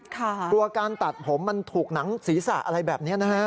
กลัวการตัดผมมันถูกหนังศีรษะอะไรแบบนี้นะฮะ